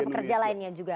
ada pekerja lainnya juga